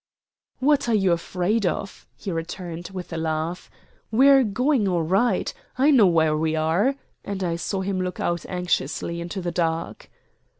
"What are you afraid of?" he returned, with a laugh. "We're going all right. I know where we are." And I saw him look out anxiously into the dark.